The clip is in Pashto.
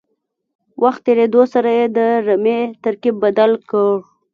وخت تېرېدو سره یې د رمې ترکیب بدل کړ.